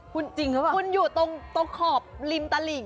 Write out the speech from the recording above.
คุณจริงหรือเปล่าคุณอยู่ตรงขอบริมตลิ่ง